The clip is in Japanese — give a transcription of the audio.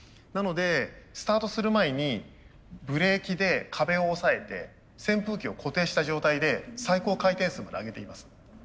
なのでスタートする前にブレーキで壁を押さえて扇風機を固定した状態で最高回転数まで上げています。